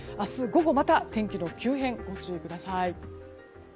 午後また天気の急変ご注意ください。